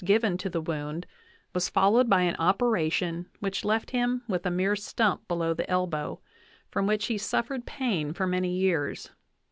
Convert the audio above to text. VIII given to the wound was followed by an operation which left him with a mere stump below the elbow, from which he suf fered pain for many years.